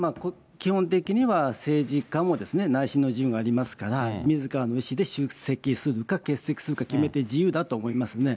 基本的には政治家も内心の自由がありますから、みずからの意思で出席するか欠席するか、決めて自由だと思いますね。